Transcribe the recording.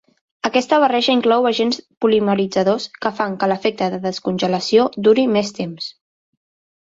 Aquesta barreja inclou agents polimeritzadors, que fan que l'efecte de descongelació duri més temps.